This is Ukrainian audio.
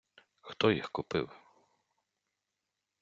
Хто їх купив?